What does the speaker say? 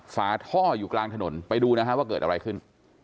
ฝาท่ออยู่กลางถนนไปดูนะฮะว่าเกิดอะไรขึ้น